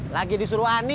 lagi disuruh ani